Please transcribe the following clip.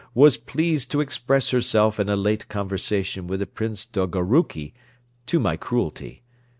was pleased to express herself in a late conversation with the Prince Dolgoroucki) to my cruelty.